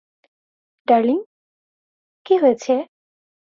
Darling কি হয়েছে?